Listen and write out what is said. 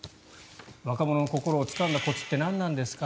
若者の心をつかんだコツって何なんですか。